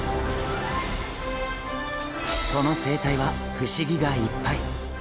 その生態は不思議がいっぱい。